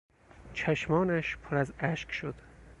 چشمانش پر از اشک شد.